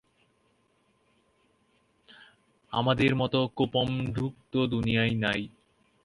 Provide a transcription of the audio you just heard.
আমাদের মত কূপমণ্ডুক তো দুনিয়ায় নাই।